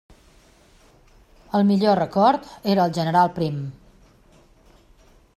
El millor record era el general Prim.